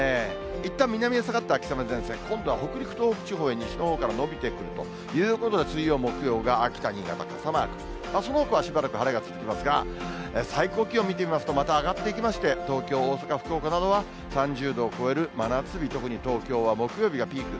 いったん南へ下がった秋雨前線、今度は北陸、東北地方へ、西のほうから延びてくるということで、水曜、木曜が秋田、新潟傘マーク、そのほかはしばらく晴れが続きますが、最高気温見てみますと、また上がっていきまして、東京、大阪、福岡などは３０度を超える真夏日、特に東京は木曜日がピーク。